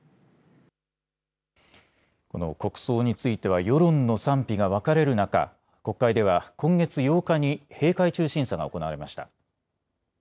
国葬については、世論の賛否が分かれる中、国会では今月８日に閉会中審査が行われました。